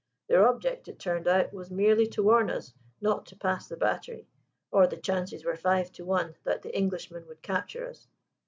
"Their object, it turned out, was merely to warn us not to pass the battery, or the chances were five to one that the Englishman would capture us.